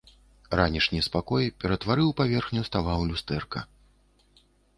Ранішні спакой ператварыў паверхню става ў люстэрка.